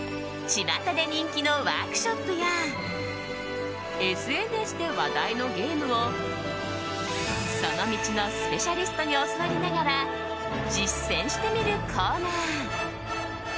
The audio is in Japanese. ちまたで人気のワークショップやＳＮＳで話題のゲームをその道のスペシャリストに教わりながら実践してみるコーナー。